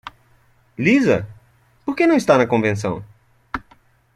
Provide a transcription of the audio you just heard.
Lisa? porque você não está na convenção?